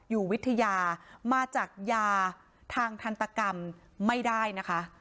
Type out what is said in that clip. อยู่วิทยามาจากยาทางทันตกรรมไม่ได้นะคะ